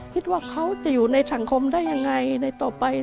คิดว่าเขาจะอยู่ในสังคมได้ยังไงในต่อไป